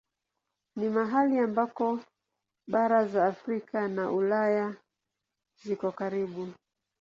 Ni mahali ambako bara za Afrika na Ulaya ziko karibu.